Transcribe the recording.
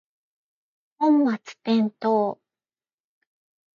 本末転倒